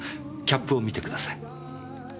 キャップを見てください。